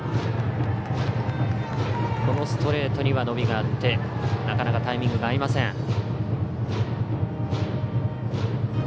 このストレートには伸びがあってなかなかタイミングが合いません。